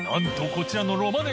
こちらの磴